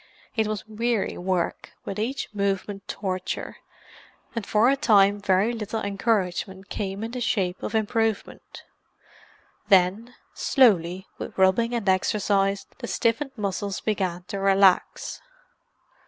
It was weary work, with each movement torture, and for a time very little encouragement came in the shape of improvement: then, slowly, with rubbing and exercise, the stiffened muscles began to relax.